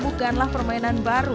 bukanlah permainan baru